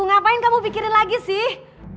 ngapain kamu pikirin lagi sih